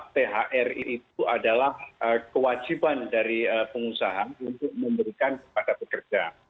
thr itu adalah kewajiban dari pengusaha untuk memberikan kepada pekerja